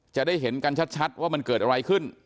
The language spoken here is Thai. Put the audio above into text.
จะได้เห็นกันชัดว่ามันเกิดอะไรขึ้น